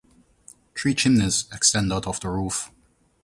Three chimneys extend out of the roof.